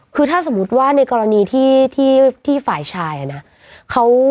คือถ้าสมมุติว่าในกรณีที่ฝ่ายชายนะ